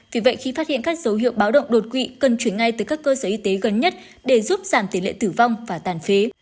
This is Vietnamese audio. vì vậy khi phát hiện các dấu hiệu báo động đột quỵ cần chuyển ngay từ các cơ sở y tế gần nhất để giúp giảm tỷ lệ tử vong và tàn phế